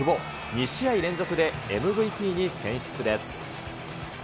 ２試合連続でＭＶＰに選出です。